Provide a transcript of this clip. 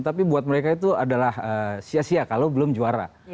tapi buat mereka itu adalah sia sia kalau belum juara